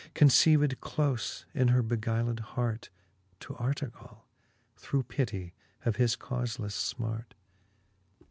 Conceived clofe in her beguiled hart, To Artegally through pittie of his cauleleffe fmart.